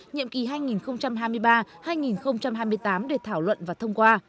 nhiệm kỳ hai nghìn hai mươi ba hai nghìn hai mươi tám để thảo luận và thông qua